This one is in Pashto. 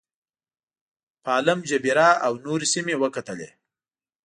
پالم جبیره او نورې سیمې وکتلې.